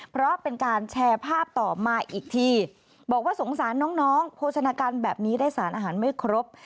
เพราะเป็นการแชร์ภาพต่อมาอีกทีบอกว่าสงสารน้องน้องโภชนาการแบบนี้ได้สารอาหารไม่ครบ